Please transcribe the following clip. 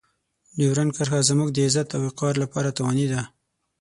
ډیورنډ کرښه زموږ د عزت او وقار لپاره تاواني ده.